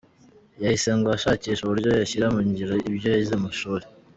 Yahise ngo ashakisha uburyo yashyira mu ngiro ibyo yize mu ishuri.